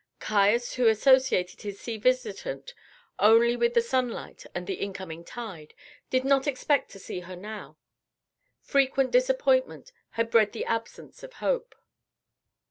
Caius, who associated his sea visitant only with the sunlight and an incoming tide, did not expect to see her now; frequent disappointment had bred the absence of hope.